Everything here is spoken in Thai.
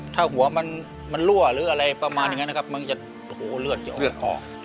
ถ้าหัวมันรั่วหรืออะไรประมาณอย่างนั้นนะครับมึงจะโอ้โหเลือดจะออกเลือดออก